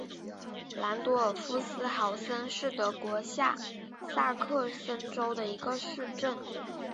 兰多尔夫斯豪森是德国下萨克森州的一个市镇。